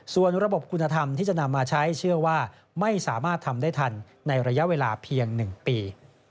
ส่วนระบบคุณธรรมที่จะนำมาใช้เชื่อว่าไม่สามารถทำได้ทันในระยะเวลาเพียง๑ปี